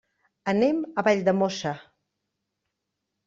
Anem a Valldemossa.